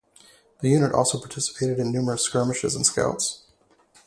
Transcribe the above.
The unit also participated in numerous skirmishes and scouts.